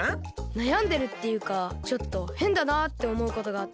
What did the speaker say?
なやんでるっていうかちょっとへんだなっておもうことがあって。